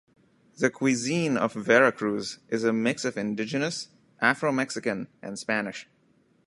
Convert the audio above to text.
The cuisine of Veracruz is a mix of indigenous, Afro-Mexican and Spanish.